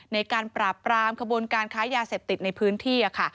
ในการปราบปรามขบวนการค้ายาเสพติดในพื้นที่ค่ะ